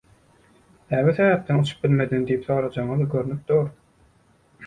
Näme sebäpden uçup bilmediň?“ diýip sorajagyňyz görnüp dur.